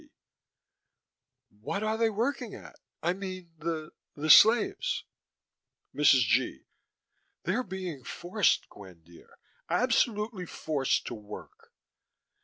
B.: What are they working at? I mean the the slaves. MRS. G.: They're being forced, Gwen dear. Absolutely forced to work.